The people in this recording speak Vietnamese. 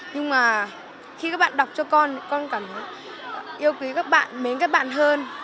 nhưng mà khi các bạn đọc cho con thì con cảm yêu quý các bạn mến các bạn hơn